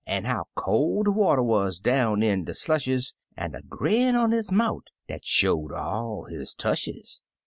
An' how col' de water wuz down in de slushes. An' a grin on his mouf dat showed all his tushes.